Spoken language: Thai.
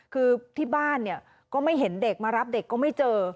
คือที่บ้านเนี่ยก็ไม่เห็นเด็กมารับเด็กก็ไม่เจอ